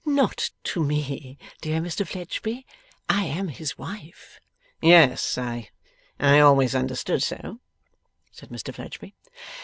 'Not to me, dear Mr Fledgeby. I am his wife.' 'Yes. I I always understood so,' said Mr Fledgeby.